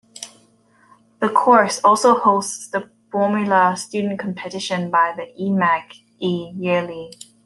The Course also hosts the Formula Student Competition by the iMechE yearly.